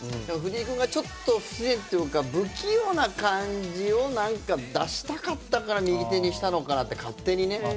でも藤井君がちょっと不自然っていうか不器用な感じをなんか出したかったから右手にしたのかなって勝手にね。